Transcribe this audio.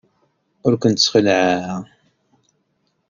Ur kent-ssexlaɛeɣ.